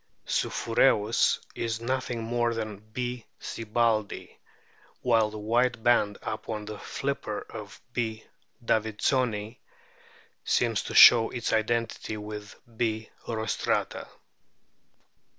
supkureus is nothing more than B. sibbaldii, while the white band upon the flipper of B. davidsoni seems to show its identity with B. rostrata.